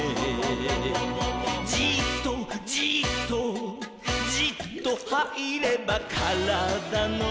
「じっとじっとじっとはいればからだの」